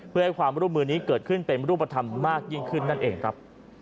เพื่อให้ความร่วมมือนี้เกิดขึ้นเป็นรูปธรรมมากยิ่งขึ้นนั่นเองครับ